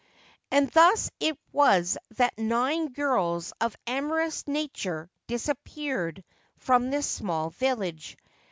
And thus it was that nine girls of amorous nature dis appeared from this small village.